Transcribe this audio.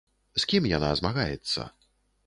З кім яна змагаецца?